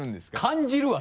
感じるわ！